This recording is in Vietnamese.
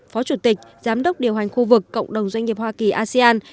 phó chủ tịch giám đốc điều hành khu vực cộng đồng doanh nghiệp hoa kỳ asean